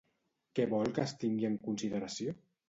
Què vol que es tingui en consideració?